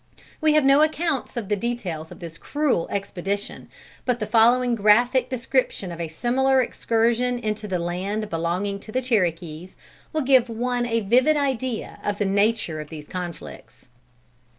We have no account of the details of this cruel expedition, but the following graphic description of a similar excursion into the land belonging to the Cherokees, will give one a vivid idea of the nature of these conflicts.